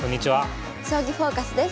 「将棋フォーカス」です。